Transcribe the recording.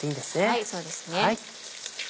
はいそうですね。